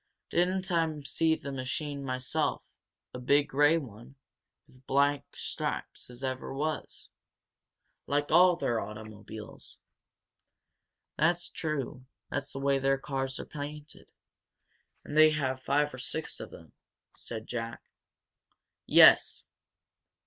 "Didn't I see the machine myself a big grey one, with black stripes as ever was, like all their automobiles?" "That's true that's the way their cars are painted, and they have five or six of them," said Jack. "Yes.